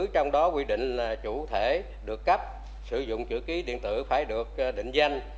trong đó quy định là chủ thể được cấp sử dụng chữ ký điện tử phải được định danh